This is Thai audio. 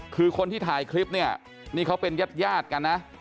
คือคนที่ถ่ายคลิปเนี่ยนี่เขาเป็นญาติกันนะ